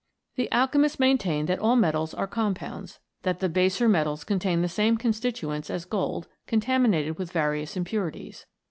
The alchemist maintained that all the metals are compounds ; that the baser metals contain the same constituents as gold, contaminated with various impurities.